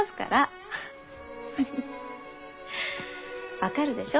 分かるでしょ？